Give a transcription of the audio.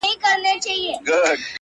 کله له واورو او له یخنیو -